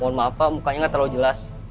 mohon maaf pak mukanya nggak terlalu jelas